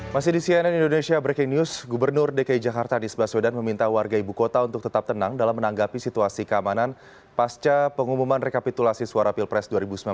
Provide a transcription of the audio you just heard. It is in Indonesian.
masih di cnn indonesia breaking news gubernur dki jakarta anies baswedan meminta warga ibu kota untuk tetap tenang dalam menanggapi situasi keamanan pasca pengumuman rekapitulasi suara pilpres dua ribu sembilan belas